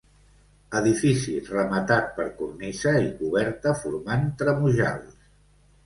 Edifici rematat per cornisa i coberta formant tremujals.